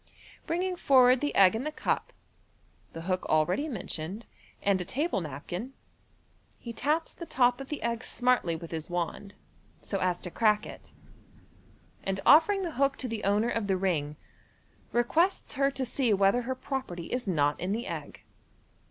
Bringing forward the egg in the cup, the hook already mentioned, and a table napkin, he taps the top of the egg smartly with his wand, so as to crack it, and offering the hook to the owner of the ring, requests her to see whether her property is not in the egg.